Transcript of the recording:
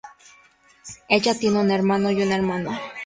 Ella tiene un hermano y una hermana.